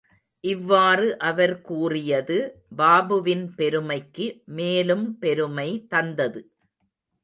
இவ்வாறு அவர் கூறியது பாபுவின் பெருமைக்குமேலும் பெருமை தந்தது.